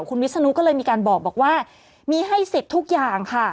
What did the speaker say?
คุณวิศนุก็เลยมีการบอกว่ามีให้สิทธิ์ทุกอย่างค่ะ